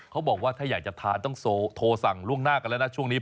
เขาบอกว่าถ้าอยากจะทานต้องโทรสั่งล่วงหน้ากันแล้วนะช่วงนี้